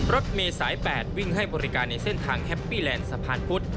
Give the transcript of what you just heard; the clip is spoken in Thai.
รถเมษาย๘วิ่งให้บริการในเส้นทางแฮปปี้แลนด์สะพานพุทธ